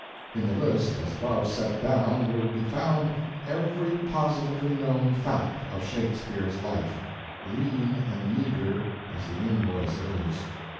In the list as above set down will be found every positively known fact of Shakespeare's life, lean and meager as the invoice is.